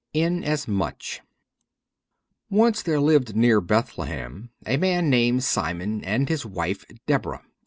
Inasmuch ONCE there lived near Bethlehem a man named Simon and his wife Deborah.